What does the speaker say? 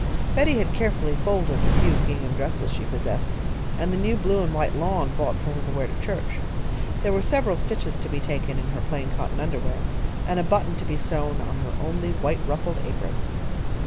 Betty had carefully folded the few gingham dresses she possessed, and the new blue and white lawn bought for her to wear to church. There were several stitches to be taken in her plain cotton under wear, and a button to be sewed on her only white ruffled apron.